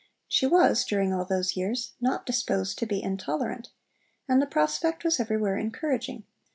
She was during all those years not disposed to be intolerant, and the prospect was everywhere encouraging.